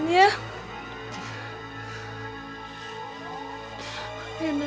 kita jalan jalan ya